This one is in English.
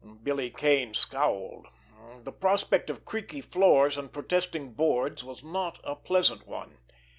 Billy Kane scowled. The prospect of creaky floors and protesting boards was not a pleasant one.